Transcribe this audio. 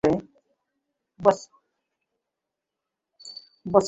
বছরে দুইবার কী জন্য প্রয়োজন সেবিষয়ে ঐশিক রেহমান একটা মন্তব্য করেছেন, সেটা পড়তে পারেন।